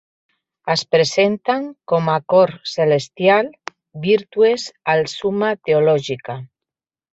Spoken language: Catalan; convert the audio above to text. Es presenten com a cor celestial "Virtues", al "Summa Theologica".